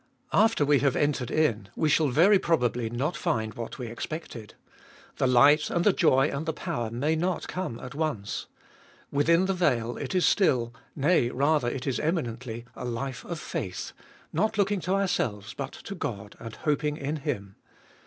After we have entered in, we shall very probably not find what we expected. The light and the joy and the power may not come at once. Within the veil it is still, nay rather it is eminently, a life of faith, not looking to ourselves, but to God, and hoping in Him.